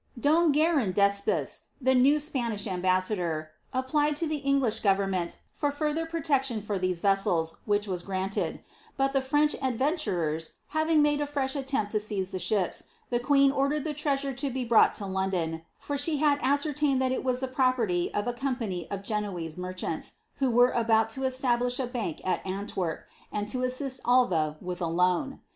Don Guerran d^Espes, the new Spanish amb&ssador, ap* plied to the English government for further protection for these vessels, which was granted ; but the French adventurers having made a fresh iiiempt to seize the ships, the queen ordered tiie treasure to be brought to London, for she had ascertained that it was the property of a com pany of Genoese merchants, who were about to establish a bank at Ant werp, and to assist Alva with a loan.